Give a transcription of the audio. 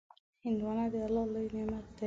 هندوانه د الله لوی نعمت دی.